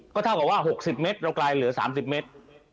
ก็เท่ากับว่า๖๐เมตรเรากลายเหลือ๓๐เมตร